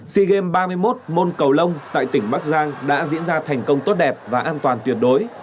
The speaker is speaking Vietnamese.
sea games ba mươi một môn cầu lông tại tỉnh bắc giang đã diễn ra thành công tốt đẹp và an toàn tuyệt đối